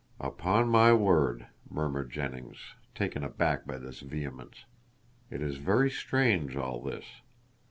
"Upon my word," murmured Jennings, taken aback by this vehemence, "it is very strange all this."